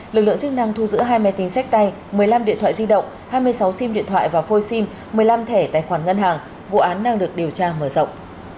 lực lượng chức năng thu giữ hai máy tính sách tay một mươi năm điện thoại di động hai mươi sáu sim điện thoại và phôi sim một mươi năm thẻ tài khoản ngân hàng vụ án đang được điều tra mở rộng